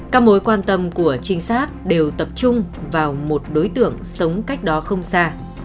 các mối quan tâm của trinh sát đều tập trung vào một đối tượng sống cách đó không xa